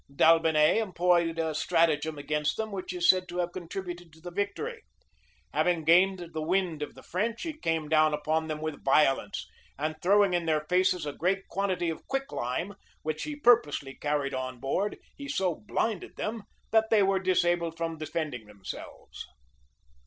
D'Albiney employed a stratagem against them, which is said to have contributed to the victory: having gained the wind of the French, he came down upon them with violence; and throwing in their faces a great quantity of quick lime, which he purposely carried on board, he so blinded them, that they were disabled from defending themselves.